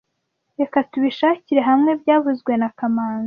Reka tubishakire hamwe byavuzwe na kamanzi